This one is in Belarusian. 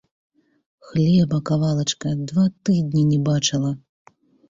хлеба кавалачка два тыднi не бачыла...